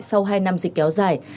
sau hai năm dịch kéo dài